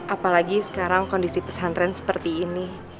apalagi sekarang kondisi pesantren seperti ini